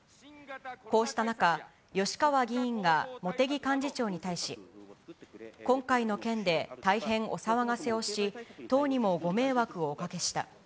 こうした中、吉川議員が茂木幹事長に対し、今回の件で大変お騒がせをし、党にもご迷惑をおかけした。